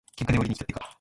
喧嘩でも売りにきたってか。